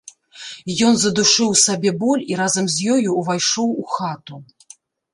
Ён задушыў у сабе боль і разам з ёю ўвайшоў у хату.